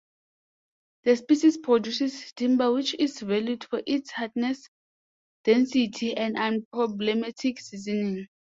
The species produces timber which is valued for its hardness, density and unproblematic seasoning.